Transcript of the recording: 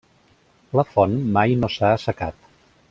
La font mai no s'ha assecat.